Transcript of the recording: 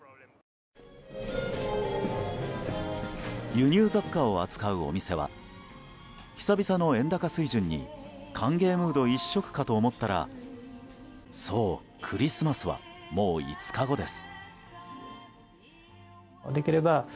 輸入雑貨を扱うお店は久々の円高水準に歓迎ムード一色かと思ったらそう、クリスマスはもう５日後です。